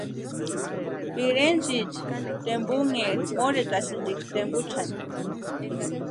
Pirentsïcha tempunheri morhitatʼiksï tempunhani.